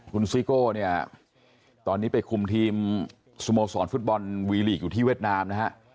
คุณซิโก้เนี่ยตอนนี้ไปคุมทีมสโมสรฟุตบอลวีลีกอยู่ที่เวียดนามนะฮะ